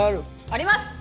あります！